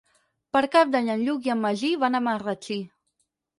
Per Cap d'Any en Lluc i en Magí van a Marratxí.